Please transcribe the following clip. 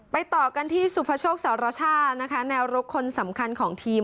ต่อกันที่สุภโชคสารชาตินะคะแนวรกคนสำคัญของทีม